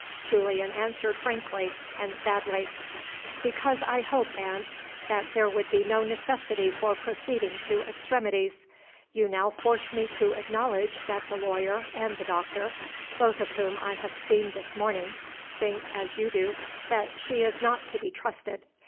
Julian answered frankly and sadly. "Because I hoped, aunt, that there would be no necessity for proceeding to extremities. You now force me to acknowledge that the lawyer and the doctor (both of whom I have seen this morning) think, as you do, that she is not to be trusted.